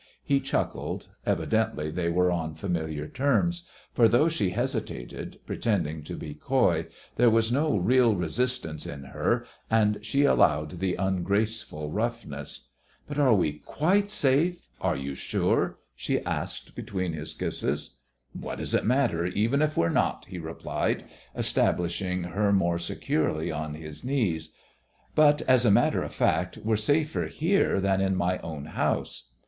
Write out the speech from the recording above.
He chuckled; evidently they were on familiar terms, for though she hesitated, pretending to be coy, there was no real resistance in her, and she allowed the ungraceful roughness. "But are we quite safe? Are you sure?" she asked between his kisses. "What does it matter, even if we're not?" he replied, establishing her more securely on his knees. "But, as a matter of fact, we're safer here than in my own house."